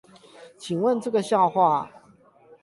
請問這個笑話